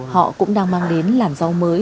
họ cũng đang mang đến làn rau mới